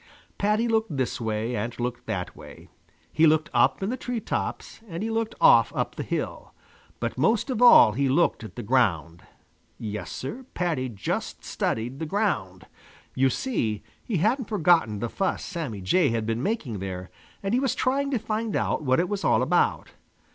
Paddy looked this way and looked that way. He looked up in the tree tops, and he looked off up the hill, but most of all he looked at the ground. Yes, Sir, Paddy just studied the ground. You see, he hadn't forgotten the fuss Sammy Jay had been making there, and he was trying to find out what it was all about.